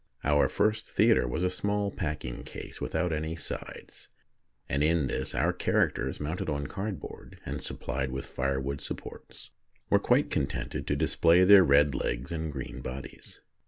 Our first theatre was a small packing case without any sides, and in this our characters, mounted on cardboard and supplied with firewood supports, were quite contented to display their red legs and green bodies.